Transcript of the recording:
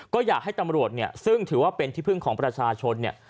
ก็อยากให้ตำรวจเนี่ยซึ่งถือว่าเป็นที่พึ่งของประชาชนเนี่ย